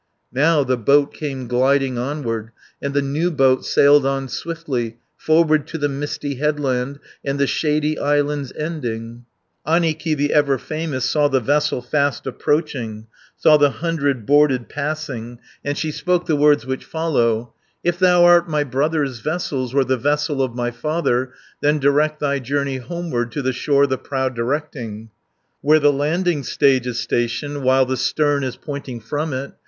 Now the boat came gliding onward, And the new boat sailed on swiftly 80 Forward to the misty headland, And the shady island's ending. Annikki, the ever famous, Saw the vessel fast approaching, Saw the hundred boarded passing, And she spoke the words which follow: "If thou art my brother's vessels Or the vessel of my father, Then direct thy journey homeward, To the shore the prow directing, 90 Where the landing stage is stationed, While the stern is pointing from it.